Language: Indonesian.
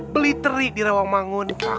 beli terik di rawang bangun